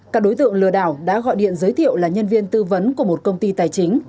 các đối tượng lừa đảo đã gọi điện giới thiệu là nhân viên tư vấn của một công ty tài chính